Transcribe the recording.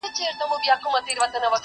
مبارک دي سه فطرت د پسرلیو..